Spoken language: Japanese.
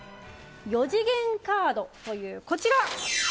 四次元カードというこちら。